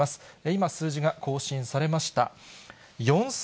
今、数字が更新されました。